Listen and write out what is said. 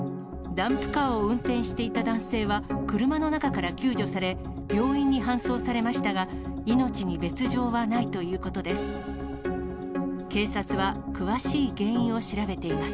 ダンプカーを運転していた男性は、車の中から救助され、病院に搬送されましたが、命に別状はないということです。